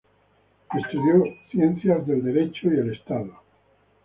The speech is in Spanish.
Estudió ciencias del derecho y el Estado.